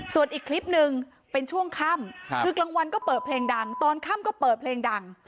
ส่วนอีกคลิปหนึ่งเป็นช่วงค่ำคือกลางวันก็เปิดเพลงดังตอนค่ำก็เปิดเพลงดัง